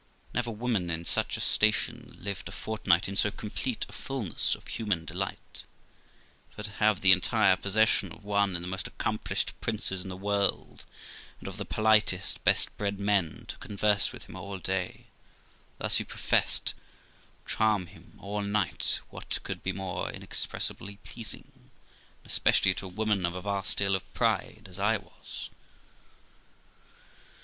Never woman in such a station lived a fortnight in so complete a fulness of human delight; for, to have the entire possession of one of the most accomplished princes in the world, and of the politest, best bred man; to converse with him all day, and, as he professed, charm him all night, what could be more inexpressibly pleasing, and especially to a woman of a vast deal of pride, as I was